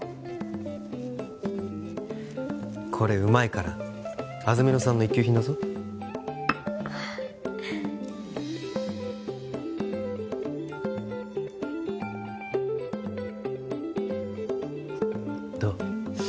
これうまいから安曇野産の一級品だぞどう？